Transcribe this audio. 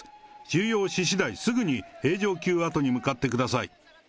収容ししだい、すぐに平城宮跡に向かってください。